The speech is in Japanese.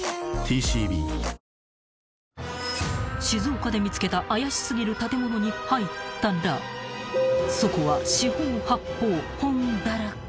［静岡で見つけた怪し過ぎる建物に入ったらそこは四方八方］